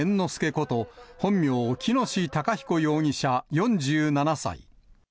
こと、本名・喜熨斗孝彦容疑者４７歳。